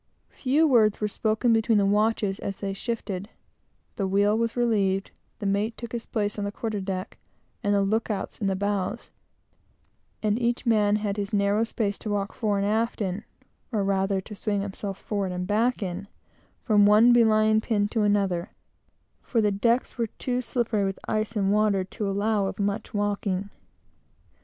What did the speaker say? Few words were spoken between the watches as they shifted, the wheel was relieved, the mate took his place on the quarter deck, the look outs in the bows; and each man had his narrow space to walk fore and aft in, or, rather, to swing himself forward and back in, from one belaying pin to another, for the decks were too slippery with ice and water to allow of much walking.